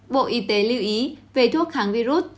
bộ y tế lưu ý về thuốc kháng virus